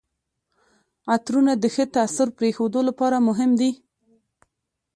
عطرونه د ښه تاثر پرېښودو لپاره مهم دي.